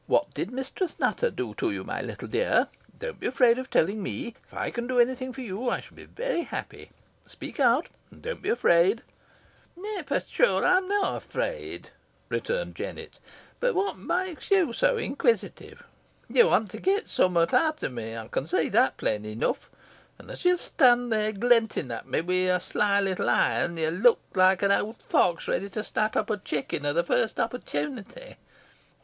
"What did Mistress Nutter do to you, my little dear? Don't be afraid of telling me. If I can do any thing for you I shall be very happy. Speak out and don't be afraid." "Nay fo' shure, ey'm nah afeerd," returned Jennet. "Boh whot mays ye so inqueesitive? Ye want to get summat out'n me, ey con see that plain enough, an os ye stand there glenting at me wi' your sly little een, ye look loike an owd fox ready to snap up a chicken o' th' furst opportunity."